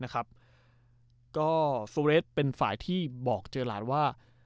ก็โซเรสเป็นฝ่ายที่บอกเจอหลานว่า